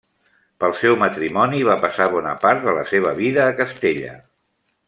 Pel seu matrimoni va passar bona part de la seva vida a Castella.